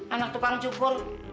anak tukang cukur